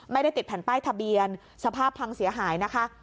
ไม่ได้ติดแผ่นป้ายทะเบียนสภาพพังเสียหายนะคะ